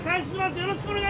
よろしくお願いします